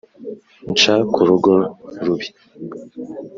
nca ku rugo rubi